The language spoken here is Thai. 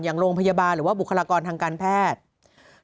อย่างโรงพยาบาลหรือว่าบุคลากรทางการแพทย์